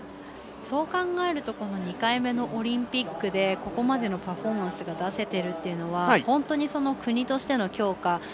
そう考えると２回目のオリンピックでここまでのパフォーマンスが出せてるというのは本当に国としての強化